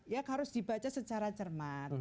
ya harus dibaca secara cermat